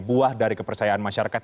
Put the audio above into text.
buah dari kepercayaan masyarakat